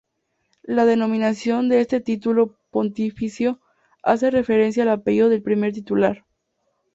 La denominación de este título pontificio hace referencia al apellido del primer titular.